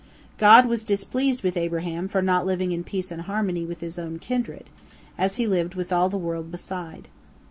God was displeased with Abraham for not living in peace and harmony with his own kindred, as he lived with all the world beside.